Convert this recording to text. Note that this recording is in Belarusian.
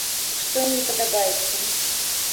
Што ім не падабаецца?